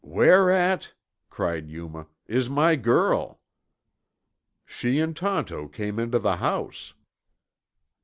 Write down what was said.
"Where at," cried Yuma, "is my girl?" "She and Tonto came into the house."